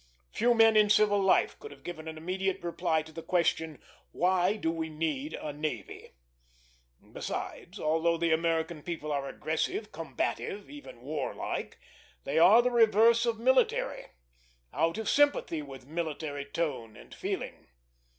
Few men in civil life could have given an immediate reply to the question, Why do we need a navy? Besides, although the American people are aggressive, combative, even warlike, they are the reverse of military; out of sympathy with military tone and feeling.